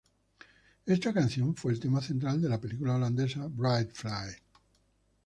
Esta canción fue el tema central de la película holandesa "Bride Flight".